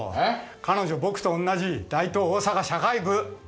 彼女僕と同じ大東大阪社会部！